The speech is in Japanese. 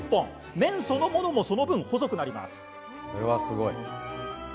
麺そのものもその分、細くなります。